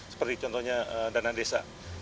seperti contohnya dana desa